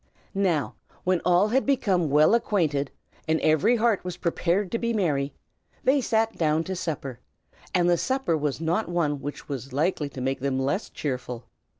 Now, when all had become well acquainted, and every heart was prepared to be merry, they sat down to supper; and the supper was not one which was likely to make them less cheerful.